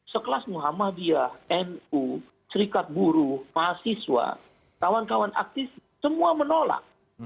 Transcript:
sekelas muhammadiyah nu serikat buruh mahasiswa kawan kawan aktivis semua menolak